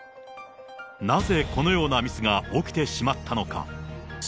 なぜこのようなミスが起きてしまったのか。